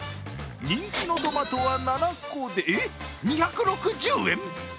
人気のトマトは７個でえっ、２６０円！？